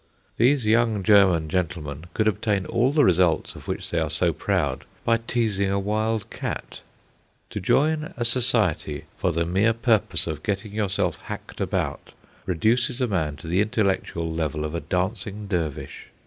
These young German gentlemen could obtain all the results of which they are so proud by teasing a wild cat! To join a society for the mere purpose of getting yourself hacked about reduces a man to the intellectual level of a dancing Dervish.